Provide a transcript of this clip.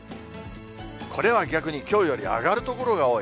これは逆にきょうより上がる所が多い。